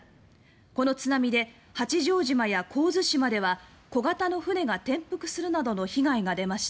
この津波で八丈島や神津島では小型の船が転覆するなどの被害が出ました。